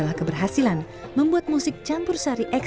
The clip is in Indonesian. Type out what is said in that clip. mas govar kan artis ibukota mas giti cobadit letzte wo als malek